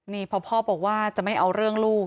นี่พอพ่อบอกว่าจะไม่เอาเรื่องลูก